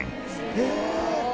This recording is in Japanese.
へえ！